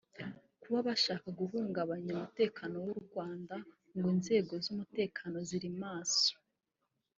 Ku bashaka guhungabanya umutekano w’u Rwanda ngo inzego z’umutekano ziri maso